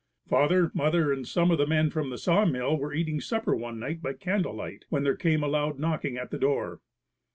Father, mother and some of the men from the sawmill were eating supper one night by candle light, when there came a loud knocking at the door.